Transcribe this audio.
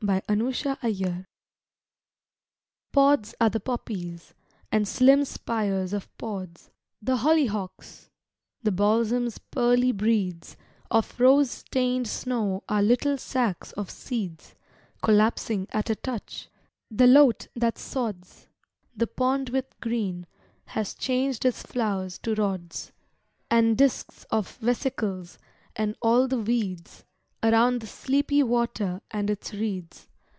THE END OF SUMMER Pods are the poppies, and slim spires of pods The hollyhocks; the balsam's pearly bredes Of rose stained snow are little sacs of seeds Collapsing at a touch; the lote, that sods The pond with green, has changed its flowers to rods And discs of vesicles; and all the weeds, Around the sleepy water and its reeds.